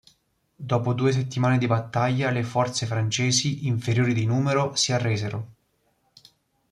Dopo due settimane di battaglia, le forze francesi, inferiori di numero, si arresero.